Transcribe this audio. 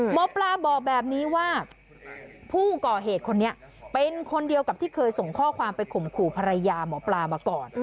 หมอปลาบอกแบบนี้ว่าผู้ก่อเหตุคนนี้เป็นคนเดียวกับที่เคยส่งข้อความไปข่มขู่ภรรยาหมอปลามาก่อน